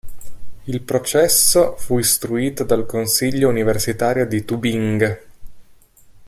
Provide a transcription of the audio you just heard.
Il processo fu istruito dal consiglio universitario di Tubinga.